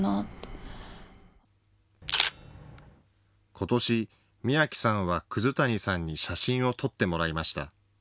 ことし、美暁さんは葛谷さんに写真を撮ってもらいました。